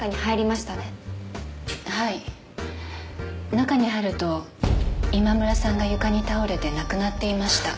中に入ると今村さんが床に倒れて亡くなっていました。